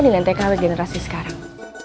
dengan tkw generasi sekarang